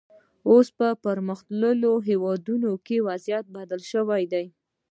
اوس په پرمختللو هېوادونو کې وضعیت بدل شوی دی.